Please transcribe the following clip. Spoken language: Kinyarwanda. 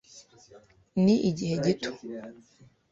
Ni igihe gito.